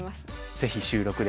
ぜひ収録で。